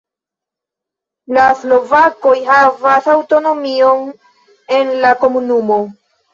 La slovakoj havas aŭtonomion en la komunumo.